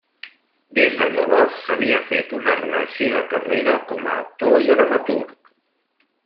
Des de llavors s'havia fet una reeixida carrera com a actor i dramaturg.